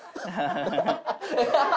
ハハハハ。